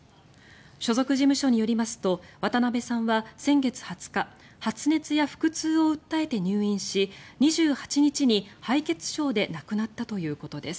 所属事務所によりますと渡辺さんは先月２０日発熱や腹痛を訴えて入院し２８日に敗血症で亡くなったということです。